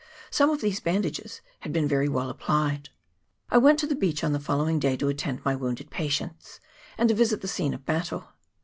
Some of these bandages had been very well applied. I went to the beach on the following day to attend my wounded patients, and to visit the scene 104 ORIGIN OF THE WAR. [PART I. of battle.